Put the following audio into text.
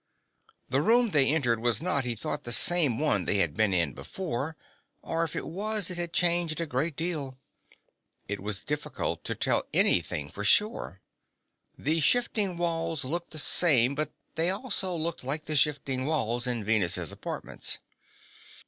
The room they entered was not, he thought, the same one they had been in before. Or, if it was, it had changed a great deal. It was difficult to tell anything for sure; the shifting walls looked the same, but they also looked like the shifting walls in Venus' apartments.